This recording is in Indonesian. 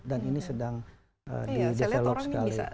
dan ini sedang di develop sekali